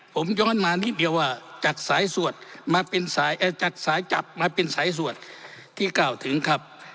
ผมย้อนมานิดเดียวว่าจัดสายจับมาเป็นสายสวดที่กล่าวถึงครับ